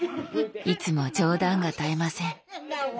いつも冗談が絶えません。